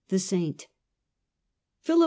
the " Saint." Philip II.